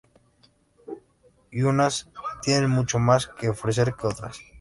Y unas tienen mucho más que ofrecer que otras.